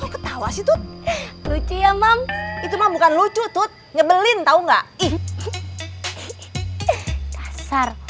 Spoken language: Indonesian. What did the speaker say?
ketawa situ lucu ya mam itu mah bukan lucu tut nyebelin tahu enggak ih kasar